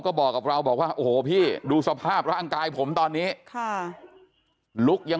ก็บอกกับเราบอกว่าโอ้โหพี่ดูสภาพร่างกายผมตอนนี้ค่ะลุกยัง